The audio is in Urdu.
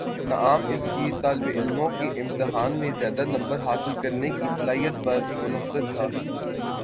نعام اس کی طالبعلموں کی امتحان میں زیادہ نمبر حاصل کرنے کی صلاحیت پر منحصر تھا